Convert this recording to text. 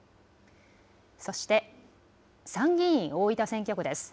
そして、参議院大分選挙区です。